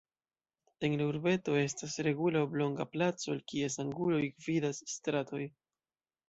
En la urbeto estas regula oblonga placo, el kies anguloj gvidas stratoj.